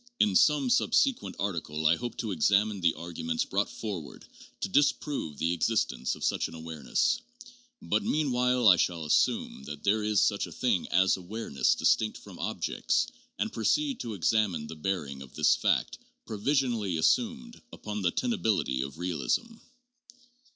In some subsequent article I hope to examine the arguments brought forward to disprove the existence of such an awareness, but mean while I shall assume that there is such a thing as awareness distinct from 'objects' and proceed to examine the bearing of this fact, provisionally assumed, upon the tenability of realism.